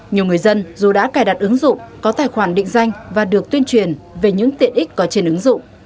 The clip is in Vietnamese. nhiều người dân dù đã cài đặt ứng dụng có tài khoản định danh và được tuyên truyền về những tiện ích có trên ứng dụng